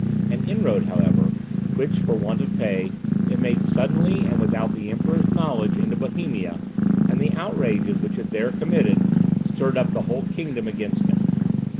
An inroad, however, which, for want of pay it made suddenly and without the Emperor's knowledge into Bohemia, and the outrages which it there committed, stirred up the whole kingdom against him.